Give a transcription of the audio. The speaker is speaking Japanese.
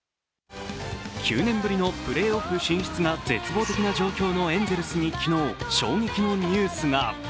９年ぶりのプレーオフ進出が絶望的な状況のエンゼルスに昨日、衝撃のニュースが。